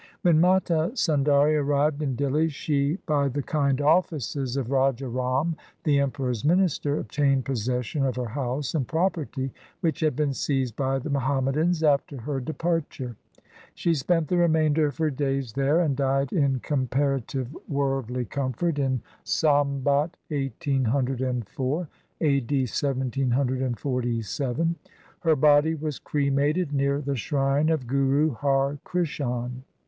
When Mata Sundari arrived in Dihli she by the kind offices of Raja Ram, the Emperor's minister, obtained possession of her house and property, which had been seized by the Muhammadans after her departure. She spent the remainder of her days there, and died in comparative worldly comfort in LIFE OF GURU GOBIND SINGH 257 Sambat 1804 (a. d. 1747). Her body was cremated near the shrine of Guru Har Krishan.